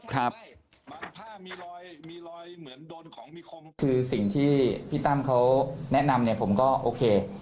คือสิ่งที่พี่ตั้มเขาแนะนำผมก็โอเค